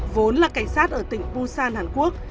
vốn là cảnh sát ở tỉnh busan hàn quốc